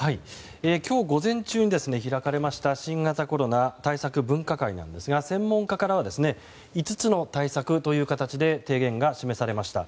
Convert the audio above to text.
今日午前中に開かれました新型コロナ対策分科会なんですが専門家からは５つの対策という形で提言が示されました。